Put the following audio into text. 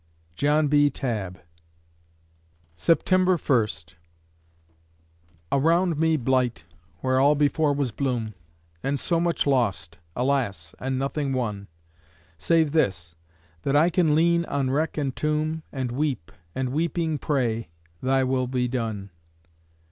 JOHN B. TABB September First Around me blight, where all before was bloom! And so much lost! alas! and nothing won; Save this that I can lean on wreck and tomb, And weep and weeping pray Thy will be done.